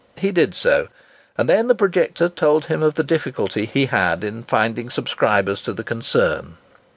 He did so, and then the projector told him of the difficulty he had in finding subscribers to the concern.